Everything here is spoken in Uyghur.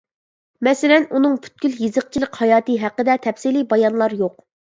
مەسىلەن، ئۇنىڭ پۈتكۈل يېزىقچىلىق ھاياتى ھەققىدە تەپسىلىي بايانلار يوق.